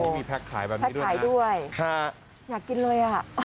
มีแพ็คขายแบบนี้ด้วยนะแพ็คขายด้วยอยากกินเลย